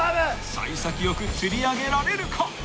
［幸先良く釣り上げられるか］